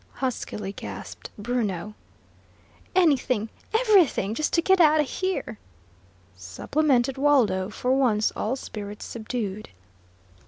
huskily gasped Bruno. "Anything everything just to get out o' here!" supplemented Waldo, for once all spirits subdued.